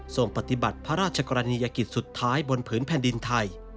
ปฏิบัติพระราชกรณียกิจสุดท้ายบนผืนแผ่นดินไทย